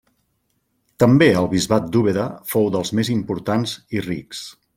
També el bisbat d'Úbeda fou dels més importants i rics.